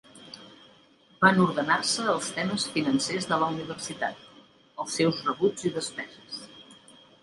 Van ordenar-se els temes financers de la universitat, els seus rebuts i despeses.